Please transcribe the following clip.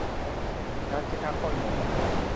而家即刻開門！